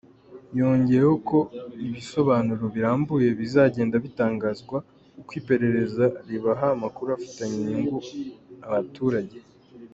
Yongeyeho ko ibisobanuro birambuye bizagenda bitangazwa uko iperereza ribaha amakuru afitiye inyungu abaturage.